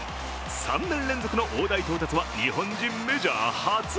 ３年連続の大台到達は日本人メジャー初。